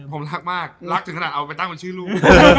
ผมรักมากรักถึงขนาดเอาไปตั้งเป็นชื่อลูก